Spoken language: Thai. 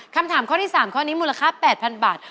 คำถามข้อที่๓ข้อนี้มูลค่า๘๐๐๐บาท